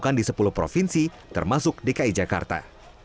ketiga kemudian kembali ke provinsi termasuk dki jakarta